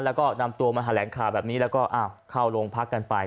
แล้วก็นำตัวมาหาแหล่งค่าแบบนี้แล้วก็อ่าเข้าโรงพรรคกันไป